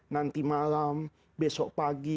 nanti malam besok pagi